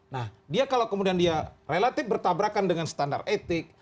nah dia kalau kemudian dia relatif bertabrakan dengan standar etik